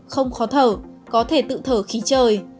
không khó thở có thể tự thở khí trời